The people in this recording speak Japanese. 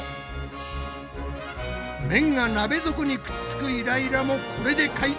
麺が鍋底にくっつくイライラもこれで解決！